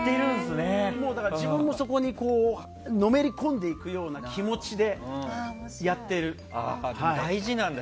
自分もそこにのめり込んでいくような気持ちで大事なんだ。